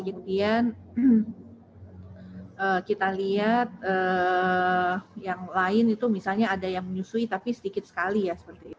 kemudian kita lihat yang lain itu misalnya ada yang menyusui tapi sedikit sekali ya